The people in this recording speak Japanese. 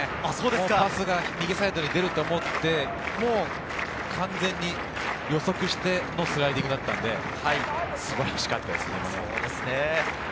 パスが右サイドに出ると思って完全に予測してのスライディングだったんで、素晴らしかったですね。